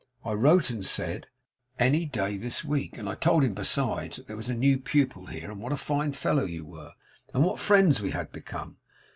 I wrote and said, any day this week; and I told him besides, that there was a new pupil here, and what a fine fellow you were, and what friends we had become.